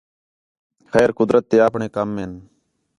خیر قدرت تے آپݨے کَم ہِن